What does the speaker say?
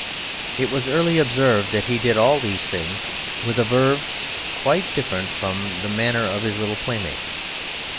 It was early observed that he did all these things with a je ne scais quoy and a verve quite different from the manner of his little playmates.